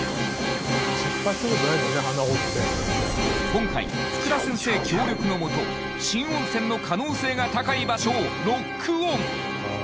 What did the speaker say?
今回福田先生協力のもと新温泉の可能性が高い場所をロックオン。